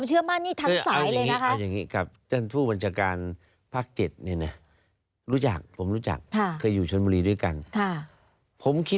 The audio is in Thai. ใช่